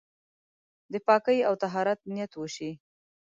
د پاکۍ او طهارت نيت وشي.